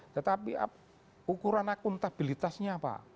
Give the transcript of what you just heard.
tetapi ukuran akuntabilitasnya apa